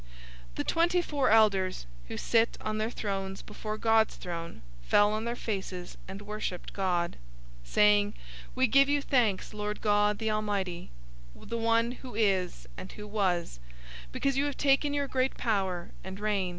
011:016 The twenty four elders, who sit on their thrones before God's throne, fell on their faces and worshiped God, 011:017 saying: "We give you thanks, Lord God, the Almighty, the one who is and who was{TR adds "and who is coming"}; because you have taken your great power, and reigned.